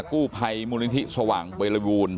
กู้ไพรมูลนิ้นทิสวังเบรย์ละกูล